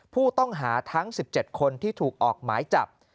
ผู้ต้องหาทั้ง๑๗คนที่ถูกออกหมายจับ